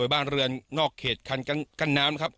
จนถึงแนวนอกเขตขันน้ำนะครับ